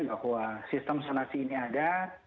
bahwa sistem zonasi ini ada